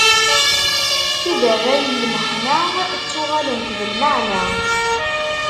Tiderray n lmeḥna ttuɣalent d lmeɛna.